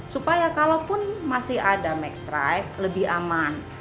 supaya kalau pun masih ada magstripe lebih aman